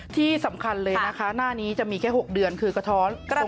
ที่สำคัญเลยนะคะหน้านี้จะมีแค่๖เดือนคือกระท้อน